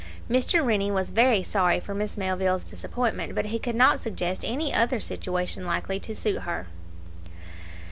Mr. Rennie was very sorry for Miss Melville's disappointment, but he could not suggest any other situation likely to suit her.